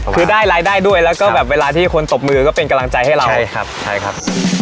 คือได้รายได้ด้วยแล้วก็แบบเวลาที่คนตบมือก็เป็นกำลังใจให้เราใช่ครับใช่ครับ